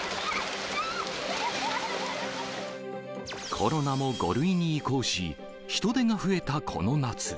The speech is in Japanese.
コロナも５類に移行し、人出が増えたこの夏。